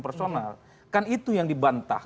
personal kan itu yang dibantah